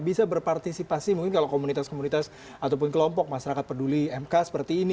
bisa berpartisipasi mungkin kalau komunitas komunitas ataupun kelompok masyarakat peduli mk seperti ini